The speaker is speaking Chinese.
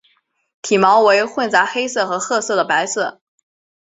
体毛为混杂黑色和褐色的白色。